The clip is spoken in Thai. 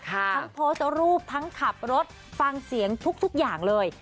ทั้งโพสต์รูปทั้งขับรถฟังเสียงทุกอย่างเลย